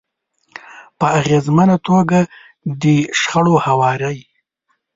-په اغیزمنه توګه د شخړو هواری